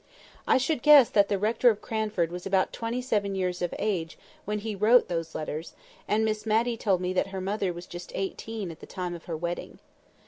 I should guess that the rector of Cranford was about twenty seven years of age when he wrote those letters; and Miss Matty told me that her mother was just eighteen at the time of her wedding.